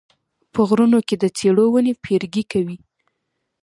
په غرونو کې د څېړو ونې پیرګي کوي